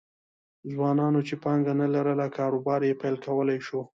ځوانانو چې پانګه نه لرله کاروبار یې پیل کولای شو